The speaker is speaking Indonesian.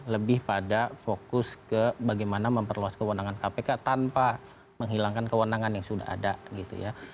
lebih pada fokus ke bagaimana memperluas kewenangan kpk tanpa menghilangkan kewenangan yang sudah ada gitu ya